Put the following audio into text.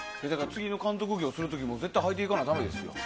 次の監督業する時も絶対、履いていかなだめですよ。